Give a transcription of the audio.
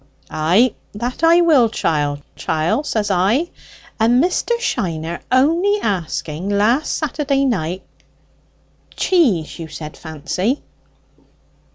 "Ay, that I will, chiel; chiel, says I, and Mr. Shiner only asking last Saturday night ... cheese you said, Fancy?"